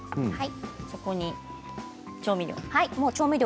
そこに調味料。